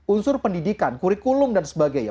unsur pendidikan kurikulum dan sebagainya